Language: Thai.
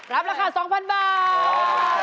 รับราคา๒๐๐๐บาท